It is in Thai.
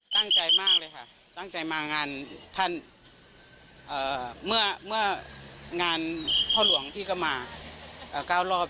ตั้งใจมากเลยค่ะตั้งใจมางานท่านเมื่องานพ่อหลวงพี่ก็มา๙รอบ